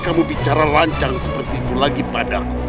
kamu bicara rancang seperti itu lagi padaku